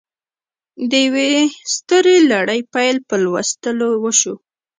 د یوې سترې لړۍ پیل په لوستلو وشو